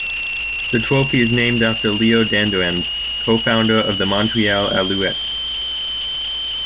The trophy is named after Leo Dandurand, co-founder of the Montreal Alouettes.